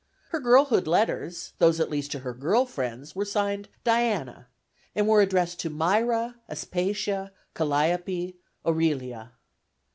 Her girlhood letters (those at least to her girl friends) were signed "Diana," and were addressed to Myra, Aspasia, Calliope, Aurelia.